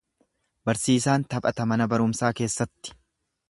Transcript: Barsiisaan taphata mana barumsaa keessatti.